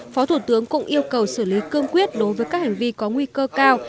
phó thủ tướng cũng yêu cầu xử lý cương quyết đối với các hành vi có nguy cơ cao